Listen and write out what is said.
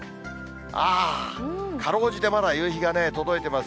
あー、かろうじてまだ夕日が届いてます。